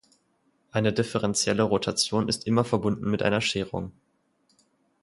Eine differentielle Rotation ist immer verbunden mit einer Scherung.